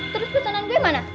terus pesanan gue mana